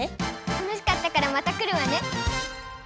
楽しかったからまた来るわね。